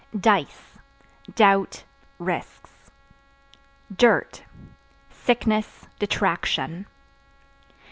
Dice Doubt, risks. Dirt Sickness, detraction.